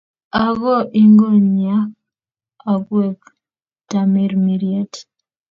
Ago ingonyiiak okwek tamirmiriet.